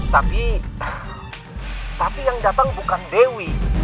tapi tapi yang datang bukan dewi